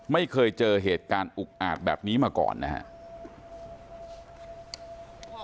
ไม่เคยเจอเหตุการณ์อุกอาจแบบนี้มาก่อนนะครับ